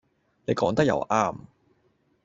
你講得又啱